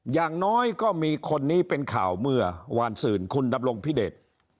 อย่างน้อยก็มีคนนี้เป็นข่าวเมื่อวานสื่อคุณดำรงพิเดช